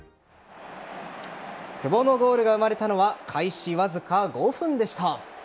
久保のゴールが生まれたのは開始わずか５分でした。